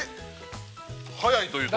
◆早いというと？